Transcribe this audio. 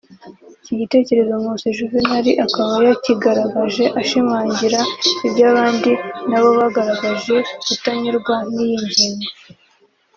Iki gitekerezo Nkusi Juvenal akaba yakigaragaje ashimangira iby’abandi na bo bagaragaje kutanyurwa n’iyi ngingo